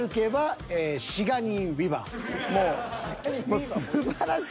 もうすばらしい。